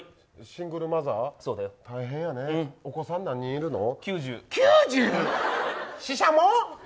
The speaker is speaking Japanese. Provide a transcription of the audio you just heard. シングルマザー大変やね、お子さん何人いるの。